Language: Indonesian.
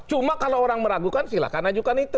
cuma kalau orang meragukan silahkan ajukan itu